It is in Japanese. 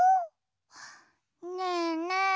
ねえねえ